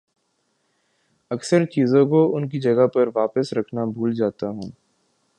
اکثر چیزوں کو ان کی جگہ پر واپس رکھنا بھول جاتا ہوں